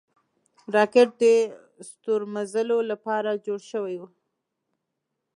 راکټ د ستورمزلو له پاره جوړ شوی و